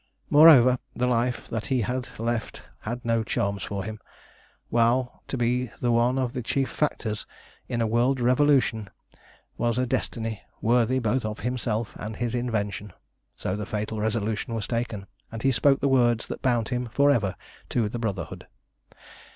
Moreover, the life that he had left had no charms for him, while to be one of the chief factors in a world revolution was a destiny worthy both of himself and his invention. So the fatal resolution was taken, and he spoke the words that bound him for ever to the Brotherhood.